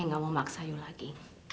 aku gak mau maksa kamu lagi